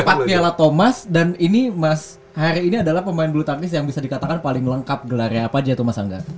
empat piala thomas dan ini mas hari ini adalah pemain bulu tangkis yang bisa dikatakan paling lengkap gelarnya apa aja tuh mas angga